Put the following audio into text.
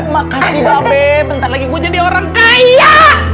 makasih babeluh bentar lagi gue jadi orang kaya